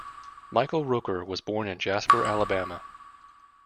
Michael Rooker was born in Jasper, Alabama.